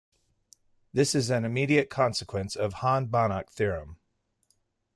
This is an immediate consequence of Hahn-Banach theorem.